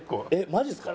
マジっすか？